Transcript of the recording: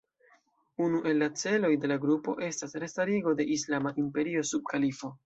Unu el la celoj de la grupo estas restarigo de islama imperio sub kalifo.